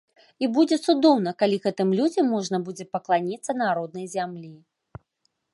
І будзе цудоўна, калі гэтым людзям можна будзе пакланіцца на роднай зямлі.